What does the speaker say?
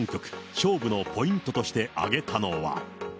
勝負のポイントとして挙げたのは。